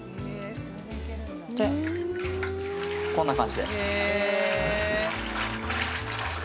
こんな感じで。